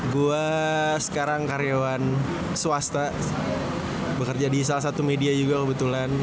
gue sekarang karyawan swasta bekerja di salah satu media juga kebetulan